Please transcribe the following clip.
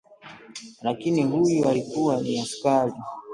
Lakini huyu alikuwa ni askari